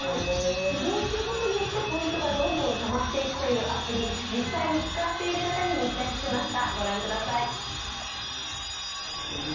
移動することによってポイントがどんどんたまっていくというアプリ、実際に使っている方に密着しました。